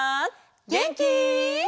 げんき？